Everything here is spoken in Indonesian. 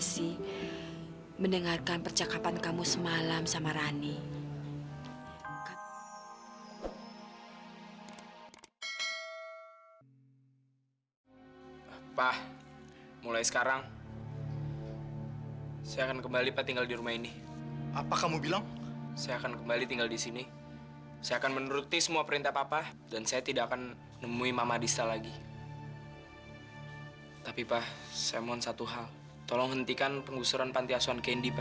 sampai jumpa di video selanjutnya